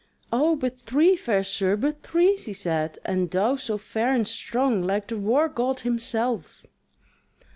"O but three, fair sir, but three," she said; "and thou so fair and strong, like the war god himself."